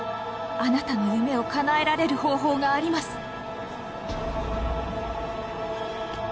あなたの夢をかなえられる方法があります。